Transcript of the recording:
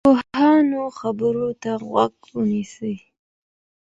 د پوهانو خبرو ته غوږ ونیسئ.